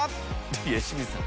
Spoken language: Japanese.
いや清水さん